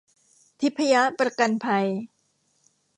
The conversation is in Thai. ทิพยประกันภัย